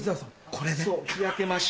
これで？